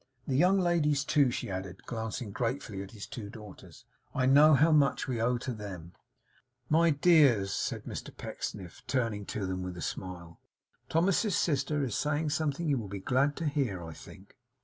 The young ladies too,' she added, glancing gratefully at his two daughters, 'I know how much we owe to them.' 'My dears,' said Mr Pecksniff, turning to them with a smile: 'Thomas's sister is saying something you will be glad to hear, I think.